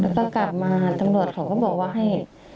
แล้วก็กลับมาตำรวจเขาก็บอกว่าให้